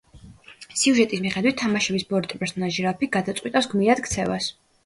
სიუჟეტის მიხედვით, თამაშების ბოროტი პერსონაჟი რალფი გადაწყვიტავს გმირად ქცევას.